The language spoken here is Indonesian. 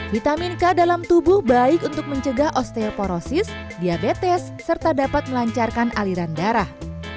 vitamin k dalam tubuh baik untuk mencegah osteoporosis diabetes serta dapat melancarkan aliran darah